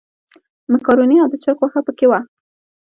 مېکاروني او د چرګ غوښه په کې وه.